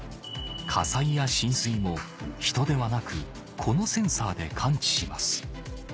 火災や浸水も人ではなくこのセンサーで感知します